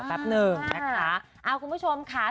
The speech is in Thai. แป๊บหนึ่งนะคะ